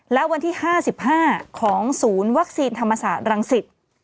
แล้ววันที่ห้าสิบห้าของศูนย์วัคซีนธรรมศาสตร์รังสิต